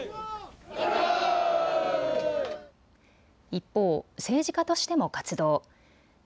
一方、政治家としても活動。